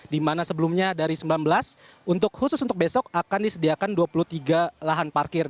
di mana sebelumnya dari sembilan belas untuk khusus untuk besok akan disediakan dua puluh tiga lahan parkir